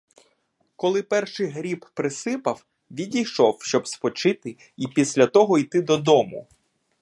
Коли перший гріб присипав, відійшов, щоби спочити й після того йти додому.